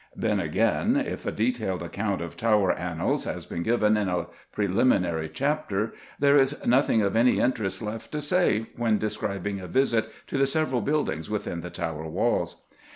Then again, if a detailed account of Tower annals has been given in a preliminary chapter, there is nothing of any interest left to say when describing a visit to the several buildings within the Tower walls.